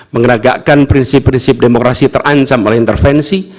meneragakkan prinsip prinsip demokrasi terancam oleh intervensi